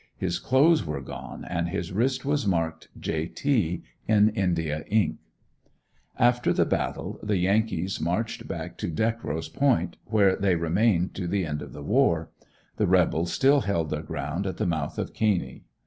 His clothes were gone and his wrist was marked "J. T." in India ink. After the battle the Yankees marched back to Deckrows Point where they remained to the end of the war; the rebels still held their ground at the mouth of Caney.